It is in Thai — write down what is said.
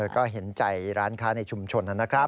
ก็เห็นใจร้านค้าในชุมชนนะครับ